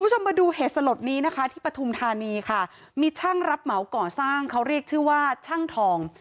คุณผู้ชมมาดูเหตุสลดนี้นะคะที่ปฐุมธานีค่ะมีช่างรับเหมาก่อสร้างเขาเรียกชื่อว่าช่างทอง